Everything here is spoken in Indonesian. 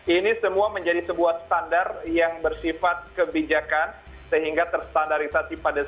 ini semua menjadi sebuah standar yang bersifat kebijakan sehingga terstandarisasi pada saat